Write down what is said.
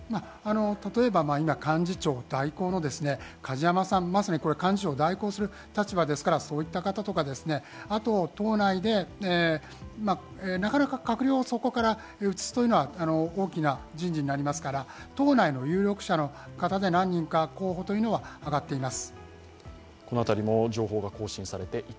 例えば今、幹事長だ以降の梶山さん、まさに幹事長を代行する立場ですからそういった方とか、あと党内でなかなか閣僚をそこから移すというのは大きな人事になりますから党内の有力者の方で何人か、候補というのは挙がっています。